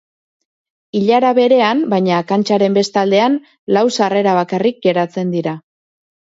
Ilara berean, baina kantxaren bestaldean, lau sarrera bakarrik geratzen dira.